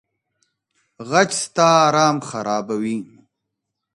غچ ستا ارام خرابوي.